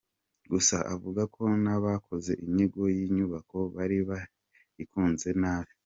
Gusa, avuga ko n’abakoze inyigo y’inyubako bari bayikoze nabi.